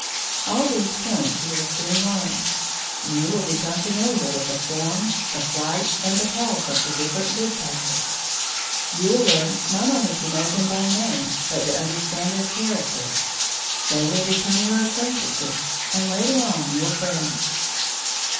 All these points you will soon learn. You will become familiar with the form, the flight, and the calls of the different woodpeckers; you will learn not only to know them by name, but to understand their characters; they will become your acquaintances, and later on your friends.